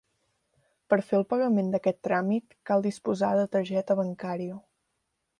Per fer el pagament d'aquest tràmit cal disposar de targeta bancària.